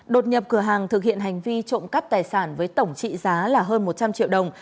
đột nhập cửa hàng thực hiện hành vi trộm cắp tài sản với tổng trị giá là hơn một trăm linh triệu đồng